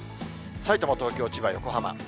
さいたま、東京、千葉、横浜。